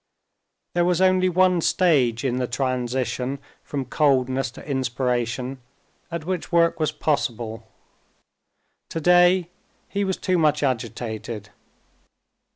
There was only one stage in the transition from coldness to inspiration, at which work was possible. Today he was too much agitated.